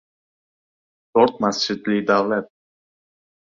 To‘rt masjidli davlat